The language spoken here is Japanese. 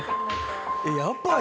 やばい